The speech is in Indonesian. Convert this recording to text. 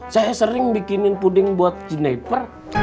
saya sering bikinin puding buat snaper